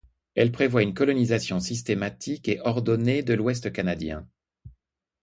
Elle prévoit une colonisation systématique et ordonnée de l'Ouest canadien.